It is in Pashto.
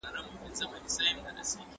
که باران وسي، زه به پاته سم!؟